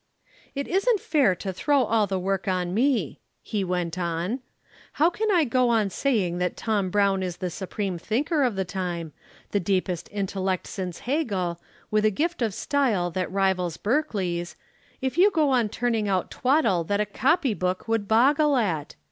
"It isn't fair to throw all the work on me," he went on. "How can I go on saying that Tom Brown is the supreme thinker of the time, the deepest intellect since Hegel, with a gift of style that rivals Berkeley's, if you go on turning out twaddle that a copy book would boggle at?